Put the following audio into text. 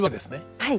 はい。